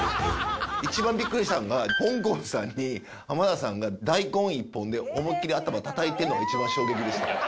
一番びっくりしたのが、ほんこんさんに、浜田さんが大根１本で思いっきり、頭たたいてるのが一番衝撃でした。